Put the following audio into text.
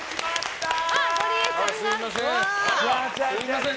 すみません。